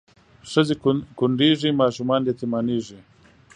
ښځې کونډېږي ماشومان یتیمانېږي